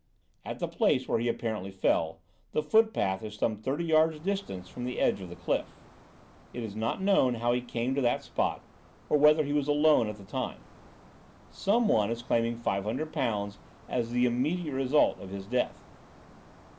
"At the place where he apparently fell, the footpath is some thirty yards distant from the edge of the cliff. "It is not known how he came to that spot, or whether he was alone at the time. "Someone is claiming five hundred pounds as the immediate result of his death.